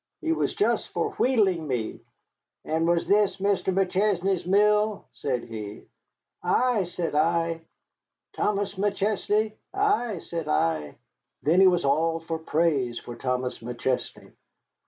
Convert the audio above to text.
He was just for wheedling me. 'And was this McChesney's mill?' said he. 'Ay,' said I. 'Thomas McChesney?' 'Ay,' said I. Then he was all for praise of Thomas McChesney.